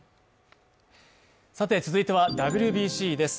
続いてはＷＢＣです。